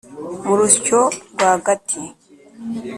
mu rusyo rwagati